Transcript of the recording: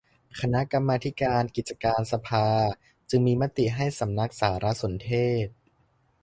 คณะกรรมาธิการกิจการสภาจึงมีมติให้สำนักสารสนเทศ